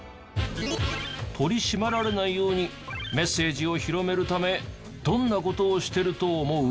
取り締まられないようにメッセージを広めるためどんな事をしてると思う？